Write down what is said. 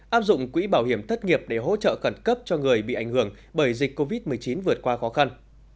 áp dụng quỹ bảo hiểm thất nghiệp để hỗ trợ cẩn cấp cho người bị ảnh hưởng bởi dịch covid một mươi chín vượt qua khó khăn